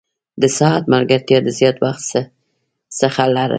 د ساعت ملګرتیا د زیات وخت څخه لرم.